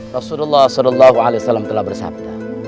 rasulullah saw telah bersabda